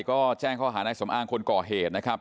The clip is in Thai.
ก็แจ้งข้อหานายสมอ้างคนก่อเหตุนะครับ